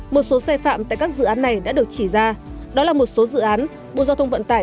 một số sai phạm tại các dự án này đã được chỉ ra đó là một số dự án bộ giao thông vận tải